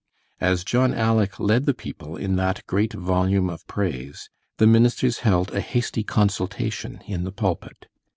As John "Aleck" led the people in that great volume of praise, the ministers held a hasty consultation in the pulpit.